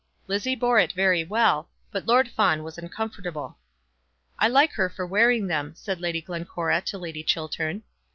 Lizzie bore it very well; but Lord Fawn was uncomfortable. "I like her for wearing them," said Lady Glencora to Lady Chiltern.